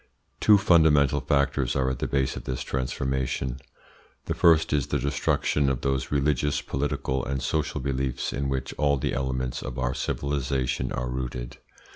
Two fundamental factors are at the base of this transformation. The first is the destruction of those religious, political, and social beliefs in which all the elements of our civilisation are rooted.